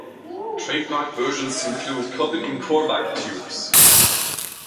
Trademarked versions include Covidien "Corvac" tubes.